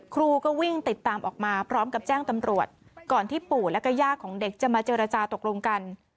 ครูก็วิ่งติดตามออกมาพร้อมกับแจ้งตำรวจก่อนที่ปู่และก็ย่าของเด็กจะมาเจรจาตกลงกัน